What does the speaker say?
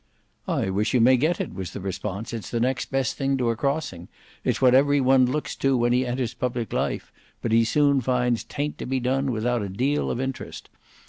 "I wish you may get it," was the response: "it's the next best thing to a crossing: it's what every one looks to when he enters public life, but he soon finds 'taint to be done without a deal of interest.